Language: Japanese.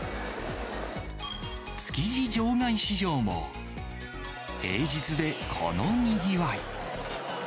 築地場外市場も、平日でこのにぎわい。